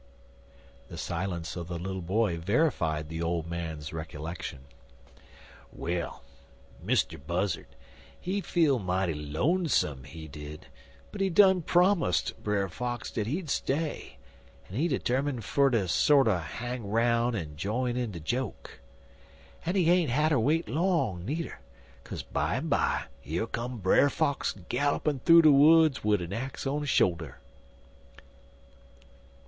The silence of the little boy verified the old man's recollection. "Well, Mr. Buzzard, he feel mighty lonesome, he did, but he done prommust Brer Fox dat he'd stay, en he 'termin' fer ter sorter hang 'roun' en jine in de joke. En he ain't hatter wait long, nudder, kase bimeby yer come Brer Fox gallopin' thoo de woods wid his axe on his shoulder.